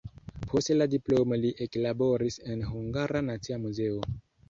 Post la diplomo li eklaboris en Hungara Nacia Muzeo.